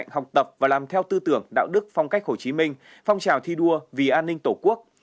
học tập và làm theo tư tưởng đạo đức phong cách hồ chí minh phong trào thi đua vì an ninh tổ quốc